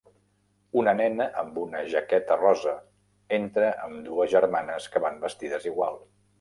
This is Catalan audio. Una nena amb una jaqueta rosa entra amb dues germanes que van vestides igual.